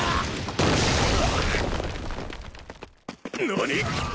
何！？